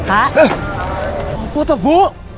apa tuh bu